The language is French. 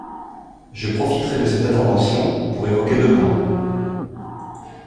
Je profiterai de cette intervention pour évoquer deux points.